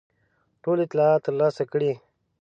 ټول اطلاعات ترلاسه کړي.